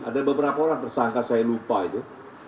ada beberapa orang tersangka saya lupa itu